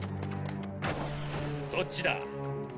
こっちだ。